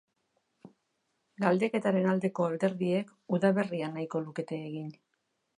Galdeketaren aldeko alderdiek udaberrian nahiko lukete egin.